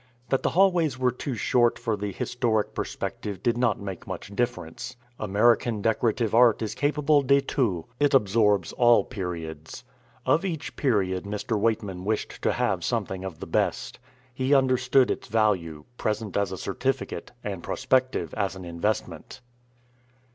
That the hallways were too short for the historic perspective did not make much difference. American decorative art is capable de tout, it absorbs all periods. Of each period Mr. Weightman wished to have something of the best. He understood its value, present as a certificate, and prospective as an investment.